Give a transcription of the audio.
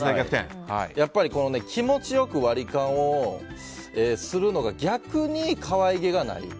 やっぱり気持ち良く割り勘をするのが逆に可愛げがない。